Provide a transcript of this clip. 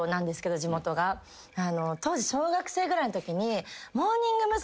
当時小学生ぐらいのときに。